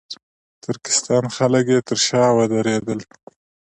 ترکستان خلک یې تر شا ودرېدل.